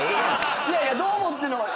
いやいやどう思ってんのかな。